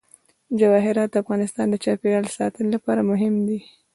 جواهرات د افغانستان د چاپیریال ساتنې لپاره مهم دي.